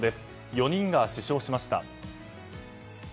４人が死傷しました。